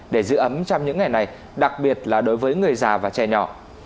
để giữ ấm trong những ngày này đặc biệt là đối với người già và trẻ nhỏ